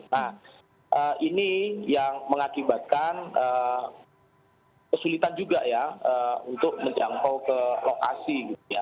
nah ini yang mengakibatkan kesulitan juga ya untuk menjangkau ke lokasi gitu ya